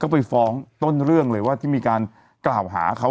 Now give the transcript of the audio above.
ก็ไปฟ้องต้นเรื่องเลยว่าที่มีการกล่าวหาเขา